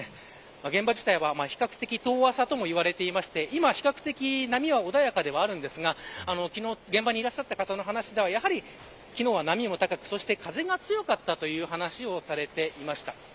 現場自体は比較的遠浅とも呼ばれていて今、比較的波は穏やかですが昨日、現場にいた方の話では昨日は波も高く風が強かったという話をされていました。